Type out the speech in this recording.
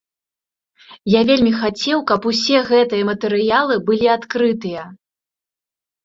Я вельмі хацеў, каб усе гэтыя матэрыялы былі адкрытыя.